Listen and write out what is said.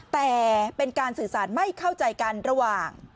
แต่เป็นการสื่อสารไม่เข้าใจกันระหว่าง